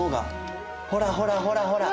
ほらほらほらほら！